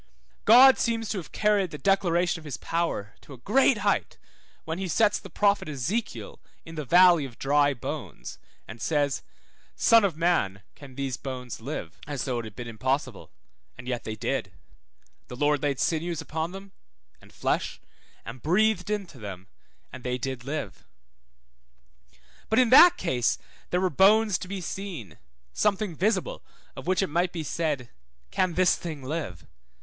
God seems to have carried the declaration of his power to a great height, when he sets the prophet Ezekiel in the valley of dry bones, and says, Son of man, can these bones live? as though it had been impossible, and yet they did; the Lord laid sinews upon them, and flesh, and breathed into them, and they did live. But in that case there were bones to be seen, something visible, of which it might be said, Can this thing live?